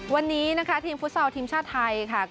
วันนี้ทีมฟุตสทองภารยศทีมชาติไทย